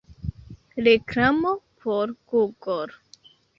Reklamo por Google.